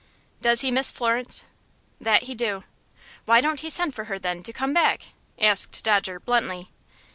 "Does he miss Florence?" "That he do." "Why don't he send for her, then, to come back?" asked Dodger, bluntly.